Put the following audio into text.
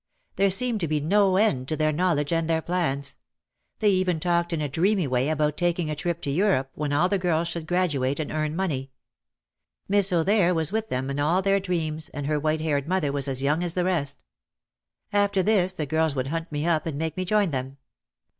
There seemed to be no end to their knowledge and their plans. They even talked in a dreamy way about taking a trip to Europe when all the girls should graduate and earn money. Miss O'There was with them in all their dreams and her white haired mother was as young as the rest. After this the girls would hunt me up and make me join them.